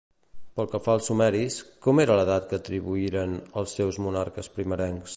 Pel que fa als sumeris, com era l'edat que atribuïren als seus monarques primerencs?